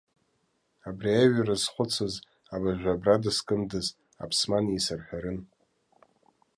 Абри аҩра зхәыцыз абыржәы абра дыскындаз, аԥсман исырҳәарын.